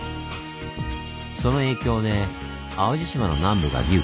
その影響で淡路島の南部が隆起。